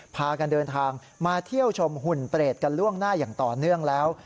พากันเดินทางมาเที่ยวชมหุ่นเปรตกันล่วงหน้าอย่างต่อเนื่องแล้ว